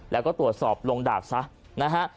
แล้วก็ตรวจสอบลงดาบซะนะฮะ